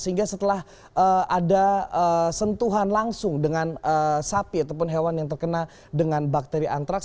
sehingga setelah ada sentuhan langsung dengan sapi ataupun hewan yang terkena dengan bakteri antraks